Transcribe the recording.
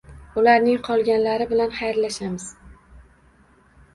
Ularning qolganlari bilan xayrlashamiz.